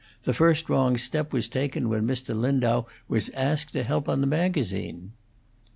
The first wrong step was taken when Mr. Lindau was asked to help on the magazine."